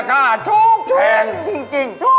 นี่ครับถูกจริง